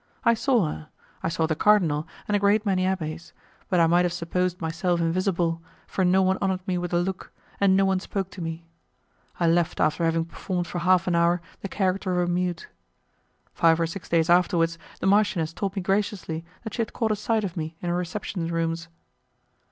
I saw her, I saw the cardinal and a great many abbés; but I might have supposed myself invisible, for no one honoured me with a look, and no one spoke to me. I left after having performed for half an hour the character of a mute. Five or six days afterwards, the marchioness told me graciously that she had caught a sight of me in her reception rooms.